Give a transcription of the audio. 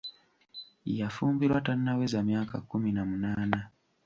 Yafumbirwa tannaweza myaka kkumi na munaana.